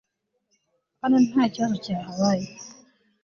hano ntakibazo cyahabaye